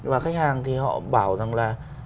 và khách hàng thì họ bảo rằng là